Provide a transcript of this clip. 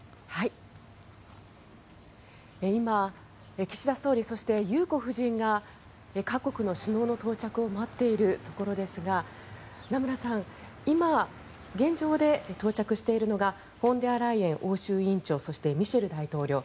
今、岸田総理そして裕子夫人が各国の首脳の到着を待っているところですが名村さん、今、現状で到着しているのがフォンデアライエン欧州委員長そしてミシェル大統領